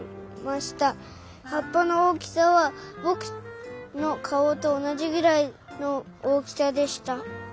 はっぱのおおきさはぼくのかおとおなじぐらいのおおきさでした。